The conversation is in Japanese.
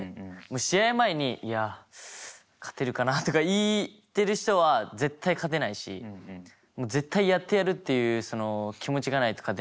試合前に「いや勝てるかな」とか言ってる人は絶対勝てないしもう絶対やってやるっていうその気持ちがないと勝てないし。